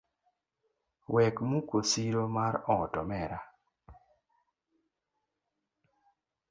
Wek muko siro mar ot omera.